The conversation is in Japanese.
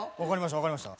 わかりました。